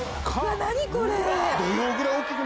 ・何これ。